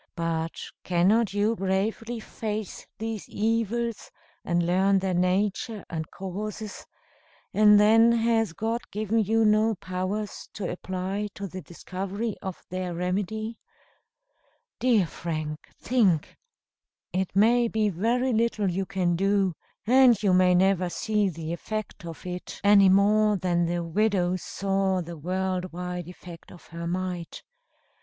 But cannot you bravely face these evils, and learn their nature and causes; and then has God given you no powers to apply to the discovery of their remedy? Dear Frank, think! It may be very little you can do and you may never see the effect of it, any more than the widow saw the world wide effect of her mite.